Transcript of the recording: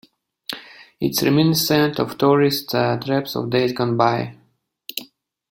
It is reminiscent of tourist traps of days gone by.